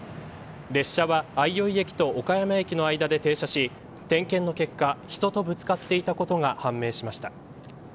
列車は、相生駅と岡山駅の間で停車し点検の結果、人とぶつかっていたことが判明しました。